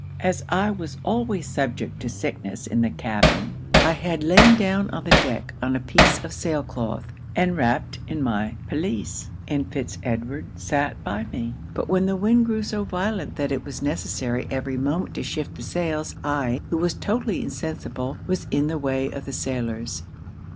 As I was always subject to sickness in the cabin, I had lain down on the deck, on a piece of sail cloth, and wrapped in my pelisse; and Fitz Edward sat by me. But when the wind grew so violent that it was necessary every moment to shift the sails, I, who was totally insensible, was in the way of the sailors.